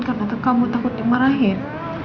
karena kamu takut dimarahin